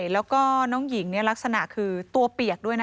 แล้วก็น้องหญิงลักษณะคือตัวเปียกด้วยนะ